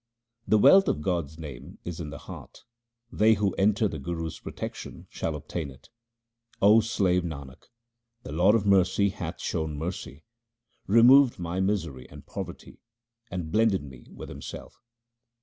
The wealth of God's name is in the heart ; they who enter the Guru's protection shall obtain it. O slave Nanak, the Lord of mercy hath shown mercy, removed my misery and poverty, and blended me with Himself.